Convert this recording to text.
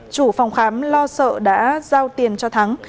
chủ phòng khám lo sợ đã giao tiền cho thắng